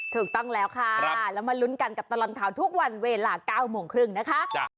ถูกต้องแล้วค่ะแล้วมาลุ้นกันกับตลอดข่าวทุกวันเวลา๙โมงครึ่งนะคะ